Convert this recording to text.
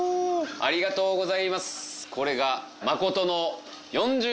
ありがとうございます！